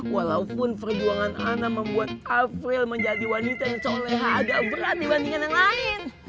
walaupun perjuangan ana membuat afril menjadi wanita yang coleha agak berat dibandingkan yang lain